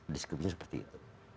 diskriminasi seperti itu